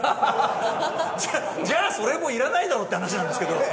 じゃあそれもいらないだろって話なんですけど。